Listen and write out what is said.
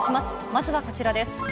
まずはこちらです。